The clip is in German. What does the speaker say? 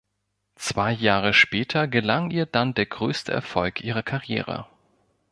Zwei Jahre später gelang ihr dann der größte Erfolg ihrer Karriere.